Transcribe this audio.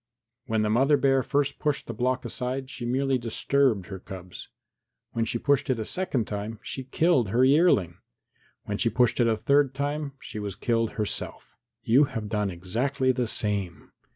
When the mother bear first pushed the block aside she merely disturbed her cubs; when she pushed it a second time, she killed her yearling; when she pushed it a third time, she was killed herself. You have done exactly the same.